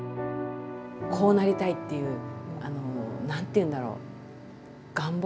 こうなりたいっていう何ていうんだろう願望？